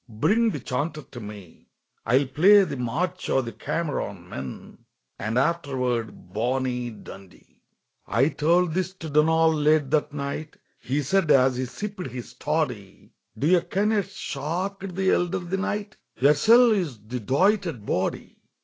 bring the chanter to me, I'll play the 'March o' the Cameron Men,' And afterward 'Bonnie Dundee.'" I told this to Donald late that night; He said, as he sipped his toddy, "Do ye ken ye shocked the elder the night? Yersel' is the doited body.